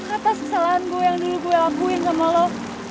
atas kesalahan gue yang dulu gue lampuin sama lo